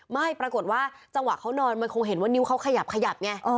ไม่ปรากฏว่าจังหวะเขานอนมันคงเห็นว่านิ้วเขาขยับขยับไง